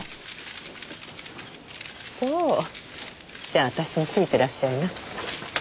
じゃあ私についてらっしゃいな。